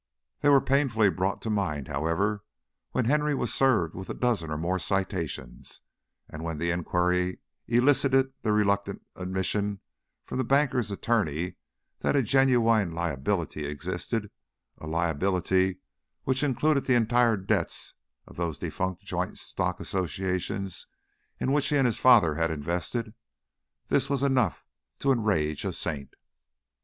They were painfully brought to mind, however, when Henry was served with a dozen or more citations, and when inquiry elicited the reluctant admission from the bank's attorney that a genuine liability existed a liability which included the entire debts of those defunct joint stock associations in which he and his father had invested. This was enough to enrage a saint.